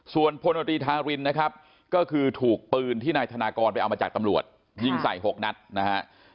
ส่วนพลตรีธารินนะครับก็คือถูกปืนที่นายธนากรไปเอามาจากตำรวจยิงใส่๖นัดนะฮะ